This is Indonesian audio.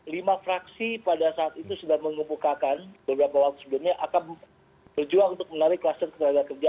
lima fraksi pada saat itu sudah mengepukakan beberapa waktu sebelumnya akan berjuang untuk menarik kluster tenaga kerja